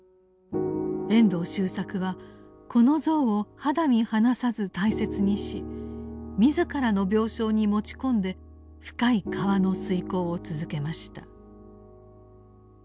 遠藤周作はこの像を肌身離さず大切にし自らの病床に持ち込んで「深い河」の推敲を続けました。